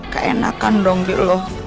keenakan dong diri lo